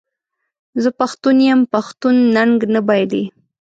زه پښتون یم پښتون ننګ نه بایلي.